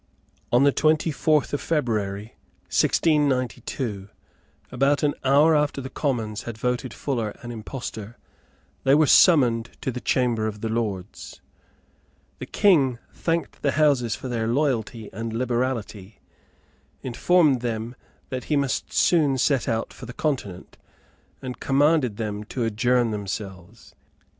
On the twenty fourth of February 1692, about an hour after the Commons had voted Fuller an impostor, they were summoned to the chamber of the Lords. The King thanked the Houses for their loyalty and liberality, informed them that he must soon set out for the Continent, and commanded them to adjourn themselves.